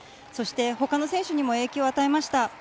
そしてほかの選手にも影響を与えました。